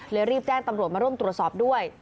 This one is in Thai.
รีบแจ้งตำรวจมาร่วมตรวจสอบด้วย